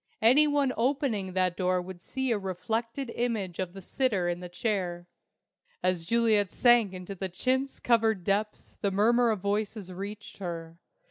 Any one opening that door would see a reflected image of the sitter in the chair. As Juliet sank into chintz covered depths the murmur of voices reached her.